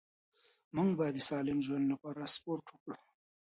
موږ باید د سالم ژوند لپاره سپورت وکړو